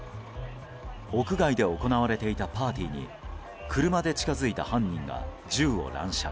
屋外で行われていたパーティーに車で近づいた犯人が、銃を乱射。